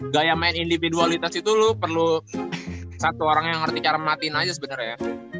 gaya main individualitas itu lu perlu satu orang yang ngerti cara matiin aja sebenarnya